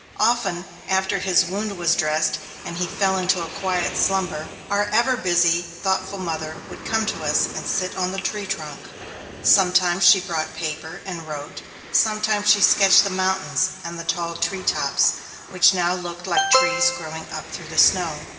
Often, after his wound was dressed and he fell into a quiet slumber, our ever busy, thoughtful mother would come to us and sit on the tree trunk. Sometimes she brought paper and wrote; sometimes she sketched the mountains and the tall tree tops, which now looked like small trees growing up through the snow.